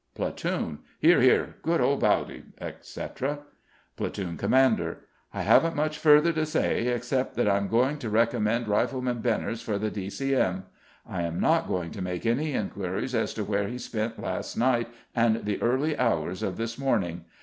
Platoon: "Hear, hear. Good old Bowdy!" etc. Platoon Commander: "I haven't much further to say except that I'm going to recommend Rifleman Benners for the D.C.M. I am not going to make any inquiries as to where he spent last night and the early hours of this morning.